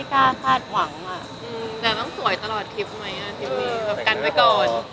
คิดวันนี้เหมือนกันไปก่อน